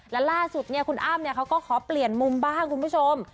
และล่าสุดคุณอ้ำเขาก็ขอเปลี่ยนมุมบ้างคุณผู้ชม